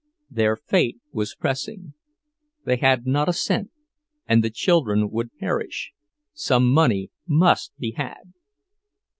Their fate was pressing; they had not a cent, and the children would perish—some money must be had.